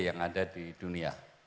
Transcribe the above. yang ada di dunia